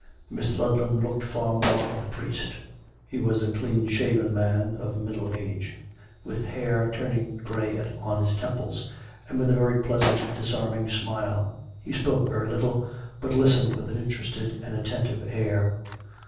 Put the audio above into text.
Mr. Ludlam looked far more of the priest: he was a clean shaven man, of middle age, with hair turning to grey on his temples, and with a very pleasant disarming smile; he spoke very little, but listened with an interested and atten tive air.